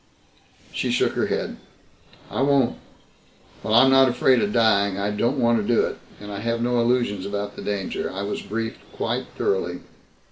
She shook her head. "I won't. While I'm not afraid of dying I don't want to do it. And I have no illusions about the danger. I was briefed quite thoroughly."